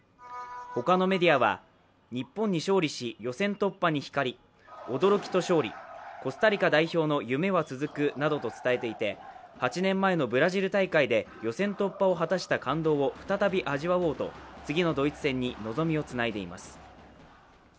他のメディアは、日本に勝利し、予選突破に光、驚きと勝利、コスタリカ代表の夢は続くなどと伝えていて、８年前のブラジル大会で予選突破を果たした感動を再び味わおうと次のドイツ戦に望みをつないでいます。